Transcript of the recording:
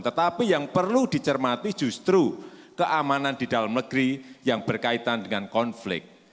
tetapi yang perlu dicermati justru keamanan di dalam negeri yang berkaitan dengan konflik